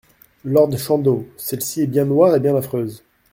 Lord Chandos Celle-ci est bien noire et bien affreuse !